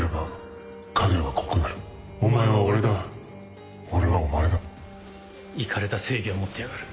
お前は俺だ俺はお前だイカれた正義を持ってやがる。